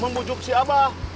memujuk si abah